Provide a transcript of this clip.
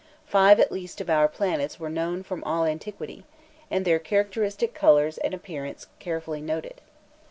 Five at least of our planets were known from all antiquity, and their characteristic colours and appearances carefully noted.